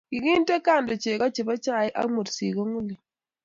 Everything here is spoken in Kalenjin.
Kikiinte kando cheko che bo chaik ak mursik kong'ulei.